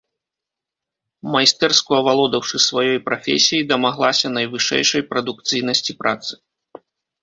Майстэрску авалодаўшы сваёй прафесіяй, дамаглася найвышэйшай прадукцыйнасці працы.